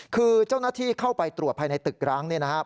คือเจ้าหน้าที่เข้าไปตรวจภายในตึกร้างเนี่ยนะครับ